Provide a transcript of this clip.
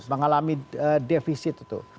mengalami defisit itu